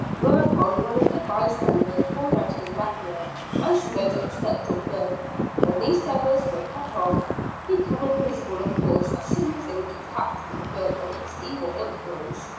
Whereupon one of the by standers pulled out his rapier, and smote at the spectral bird when these feathers were cut off; becoming visible of course as soon as they were detached from the bird and its evil influence.